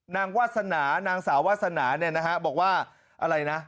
นางวาสนานางสาววาสนาบอกว่าอะไรนะ